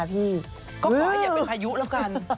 ก็เผลออย่าเป็นหายุแล้วกัน